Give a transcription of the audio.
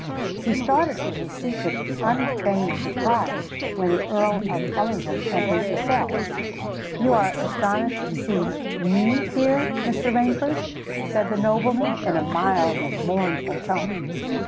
He started from his seat with unfeigned surprise, when the Earl of Ellingham entered the cell. "You are astonished to see me here, Mr. Rainford?" said the nobleman, in a mild and mournful tone.